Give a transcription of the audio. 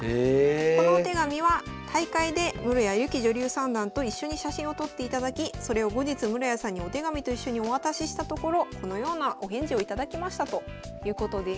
このお手紙は大会で室谷由紀女流三段と一緒に写真を撮っていただきそれを後日室谷さんにお手紙と一緒にお渡ししたところこのようなお返事を頂きましたということです。